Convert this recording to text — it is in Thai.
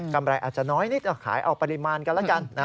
ไรอาจจะน้อยนิดขายเอาปริมาณกันแล้วกัน